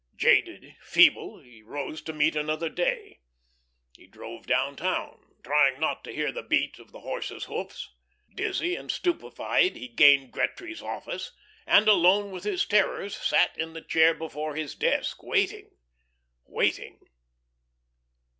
Jaded, feeble, he rose to meet another day. He drove down town, trying not to hear the beat of his horses' hoofs. Dizzy and stupefied, he gained Gretry's office, and alone with his terrors sat in the chair before his desk, waiting, waiting.